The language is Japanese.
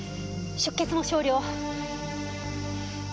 出血も少量。